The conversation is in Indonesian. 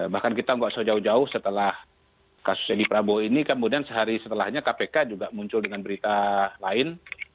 bahkan kita nggak usah jauh jauh setelah kasus edi prabowo ini kemudian sehari setelahnya kpk juga muncul dengan berita lain